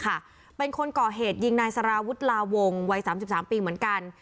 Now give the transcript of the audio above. เป็นคนก่อเหตุยิงนายสารวุฒิลาวงวัย๓๓ปีเหมือนกัน